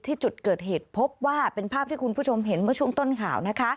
ที่จุดเกิดเหตุพบว่าเป็นภาพที่คุณผู้ชมเห็นเมื่อช่วงต้นข่าวนะคะ